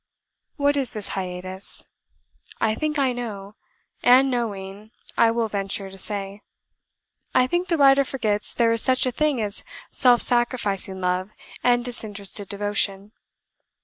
What is this hiatus? I think I know; and, knowing, I will venture to say. I think the writer forgets there is such a thing as self sacrificing love and disinterested devotion.